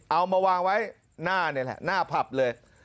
เอามาวางไว้หน้านี่แหละหน้าผับเลย